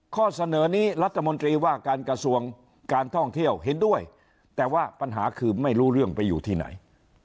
ข้อเสนอนี้รัฐมนตรีว่าการกระทรวงการท่องเที่ยวเห็นด้วยแต่ว่าปัญหาคือไม่รู้เรื่องไปอยู่ที่ไหน